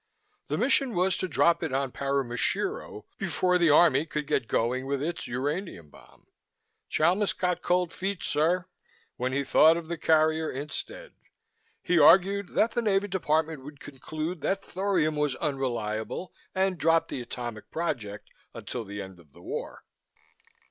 The mission was to drop it on Paramushiro before the Army could get going with its uranium bomb. Chalmis got cold feet, sir! when he thought of the carrier instead. He argued that the Navy Department would conclude that thorium was unreliable and drop the atomic project until the end of the war."